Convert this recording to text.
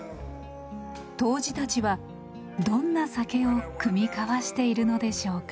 杜氏たちはどんな酒を酌み交わしているのでしょうか？